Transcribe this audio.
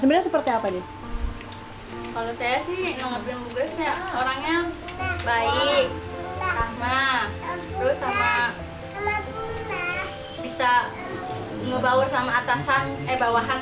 kita seperti apa nih kalau saya sih orangnya baik sama sama bisa membawa sama atasan e bawahan